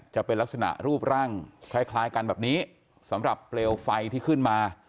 จะเป็นลักษณะรูปร่างคล้ายกันแบบนี้สำหรับเปลวไฟที่ขึ้นมา